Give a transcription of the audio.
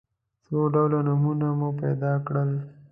څو ډوله نومونه مو پیدا کړل.